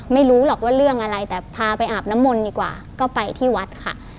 ไม่รู้หรอกว่าเรื่องอะไรแต่พาไปอาบน้ำมนต์ดีกว่าก็ไปที่วัดค่ะ